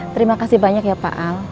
terima kasih banyak ya pak al